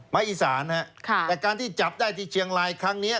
มาอีสานครับค่ะแต่การที่จับได้ที่เชียงไลน์ครั้งนี้